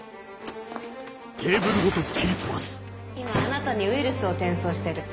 今あなたにウイルスを転送してる。